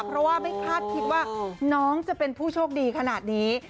เพราะว่าไม่คาดคิดว่าน้องจะเป็นผู้โชคดีขนาดนี้